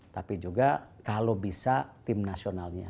tapi juga kalau bisa tim nasionalnya